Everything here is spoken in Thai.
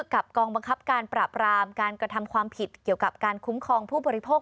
กับกองบังคับการปราบรามการกระทำความผิดเกี่ยวกับการคุ้มครองผู้บริโภค